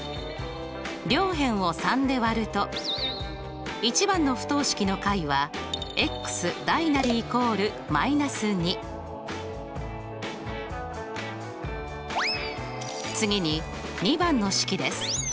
両辺を３で割ると１番の不等式の解は次に２番の式です。